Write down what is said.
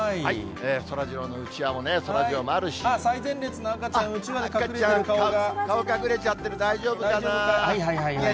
そらジローのうちわも、そらジロ最前列の赤ちゃん、うちわで顔隠れちゃってる、大丈夫か大丈夫かな？